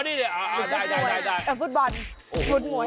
อ๋อนี่อ่าได้ฟุตบอลฟุตมวย